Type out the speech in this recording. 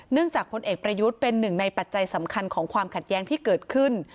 จากพลเอกประยุทธ์เป็นหนึ่งในปัจจัยสำคัญของความขัดแย้งที่เกิดขึ้น